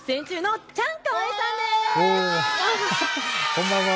こんばんは。